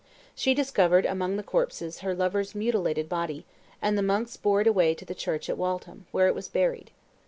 She discovered amongst the corpses her lover's mutilated body; and the monks bore it away to the church at Waltham, where it was buried.